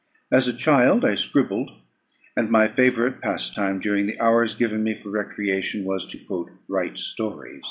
As a child I scribbled; and my favourite pastime, during the hours given me for recreation, was to "write stories."